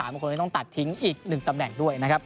มันคงจะต้องตัดทิ้งอีก๑ตำแหน่งด้วยนะครับ